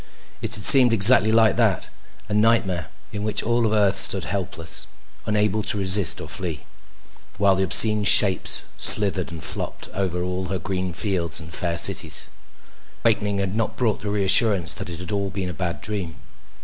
It had seemed exactly like that. A nightmare in which all of Earth stood helpless, unable to resist or flee, while the obscene shapes slithered and flopped over all her green fields and fair cities. And the awakening had not brought the reassurance that it had all been a bad dream.